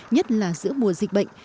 nhất là giữa mùa dịch bệnh